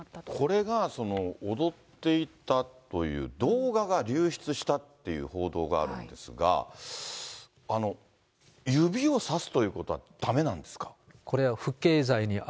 これが、踊っていたという動画が流出したっていう報道があるんですが、指をさすということはだめなんですか。